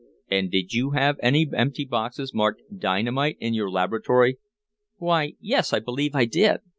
"And did you have any empty boxes marked dynamite in your laboratory?" "Why yes, I believe I did.